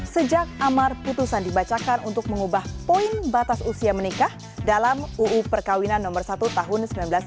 sejak amar putusan dibacakan untuk mengubah poin batas usia menikah dalam uu perkawinan no satu tahun seribu sembilan ratus sembilan puluh